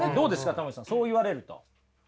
たま虫さんそう言われると。